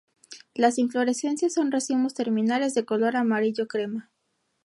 Las inflorescencias son racimos terminales de color amarillo crema.